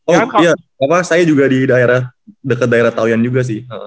oh iya apa saya juga di daerah deket daerah taoyuan juga sih